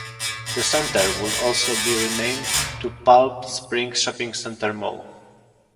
The center would also be renamed to Palm Springs Shopping Center Mall.